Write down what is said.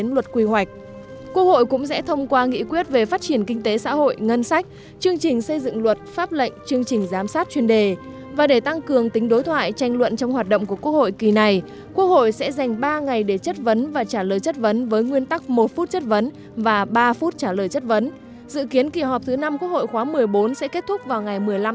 một phút chất vấn và ba phút trả lời chất vấn dự kiến kỳ họp thứ năm quốc hội khóa một mươi bốn sẽ kết thúc vào ngày một mươi năm tháng sáu